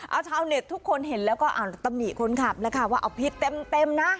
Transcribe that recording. เอาชาวเน็ตทุกคนเห็นแล้วก็ตำหนิคนขับแล้วค่ะว่าเอาผิดเต็มนะ